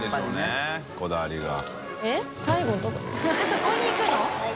そこにいくの？